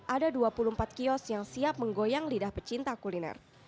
ada dua puluh empat kios yang siap menggoyang lidah pecinta kuliner